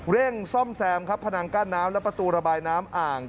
เร่งซ่อมแซมครับพนังกั้นน้ำและประตูระบายน้ำอ่าง